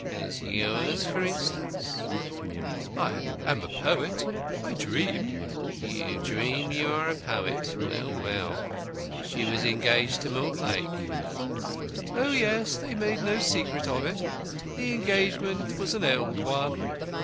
"As yours, for instance?" "I am a poet; I dream." "You dream you are a poet. Well, well! She was engaged to Mortlake?" "Oh, yes! They made no secret of it. The engagement was an old one.